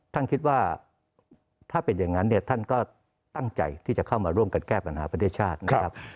ท่านคิดว่าถ้าเป็นอย่างนั้นเนี่ยท่านก็ตั้งใจที่จะเข้ามาร่วมกันแก้ปัญหาประเทศชาตินะครับ